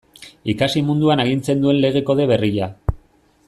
Ikasi munduan agintzen duen Lege Kode berria.